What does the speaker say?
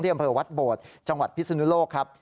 ที่อำเภอวัดโบสถ์จังหวัดพิษนุนโลกครับ